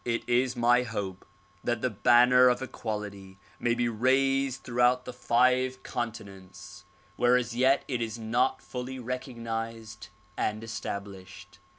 It is my hope that the banner of equality may be raised through out the five continents where as yet it is not fully recognized and established.